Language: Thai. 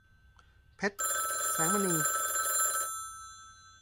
เพชร แสงมณี